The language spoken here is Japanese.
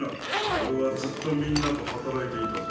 オレはずっとみんなとはたらいていたぞ。